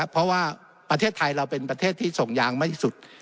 เพราะว่าประเทศไทยเราเป็นประเทศที่ส่งยางมากที่สุด